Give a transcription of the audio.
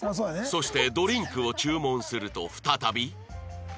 そしてドリンクを注文すると再び